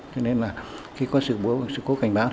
cho nên là khi có sự cố cảnh báo